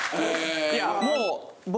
いやもう僕。